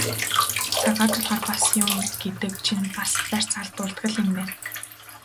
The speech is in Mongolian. Цагаа тулахаар бас юм гэдэг чинь бас барьц алдуулдаг л юм байна.